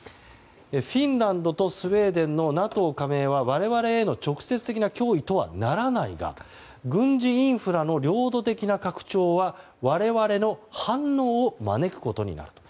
フィンランドとスウェーデンのＮＡＴＯ加盟は我々への直接的な脅威とはならないが軍事インフラの領土的な拡張は我々の反応を招くことになると。